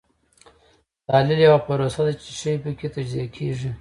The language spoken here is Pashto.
تحلیل یوه پروسه ده چې شی پکې تجزیه کیږي.